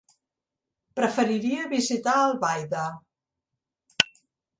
Preferiria visitar Albaida.